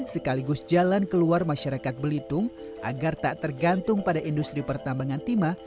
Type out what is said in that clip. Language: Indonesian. sekaligus jalan keluar masyarakat belitung agar tak tergantung pada industri pertambangan timah